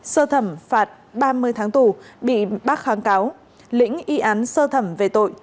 sơ thẩm phạt ba mươi tháng tù bị bác kháng cáo lĩnh y án sơ thẩm về tội